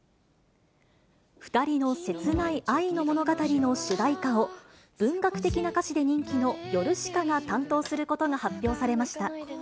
２人の切ない愛の物語の主題歌を、文学的な歌詞で人気のヨルシカが担当することが発表されました。